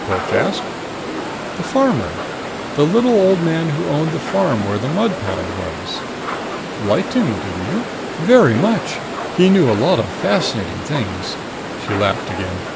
Pilch asked. "The farmer. The little old man who owned the farm where the mud pond was." "Liked him, didn't you?" "Very much! He knew a lot of fascinating things." She laughed again.